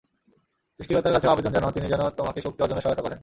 সৃষ্টিকর্তার কাছেও আবেদন জানাও তিনি যেন তোমাকে শক্তি অর্জনে সহায়তা করেন।